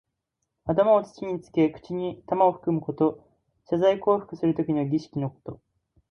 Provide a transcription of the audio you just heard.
頭を土につけ、口に玉をふくむこと。謝罪降伏するときの儀式のこと。